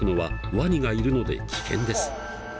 ワニがいるので危険です。